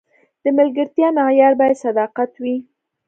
د ملګرتیا معیار باید صداقت وي.